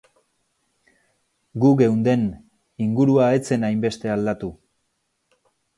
Gu geunden, ingurua ez zen hainbeste aldatu.